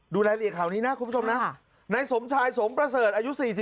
รายละเอียดข่าวนี้นะคุณผู้ชมนะนายสมชายสมประเสริฐอายุ๔๒